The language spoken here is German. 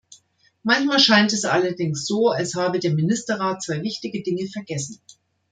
Manchmal scheint es allerdings so, als habe der Ministerrat zwei wichtige Dinge vergessen.